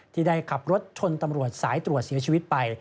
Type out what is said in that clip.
ที่ได้ขับรถชนตำรวจสายตรวจเสียชีวิตไป